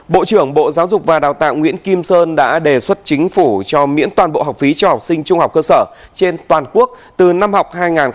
bộ trưởng bộ giáo dục và đào tạo nguyễn kim sơn đã đề xuất chính phủ cho miễn toàn bộ học phí cho học sinh trung học cơ sở trên toàn quốc từ năm học hai nghìn hai mươi hai nghìn hai mươi một